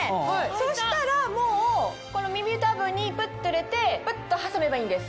そしたらもう耳たぶにプッと入れてプッと挟めばいいんです。